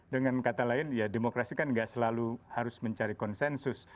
dengan kata lain ya demokrasi kan gak selalu harus mencari konsensus